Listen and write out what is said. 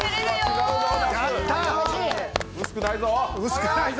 薄くないぞ。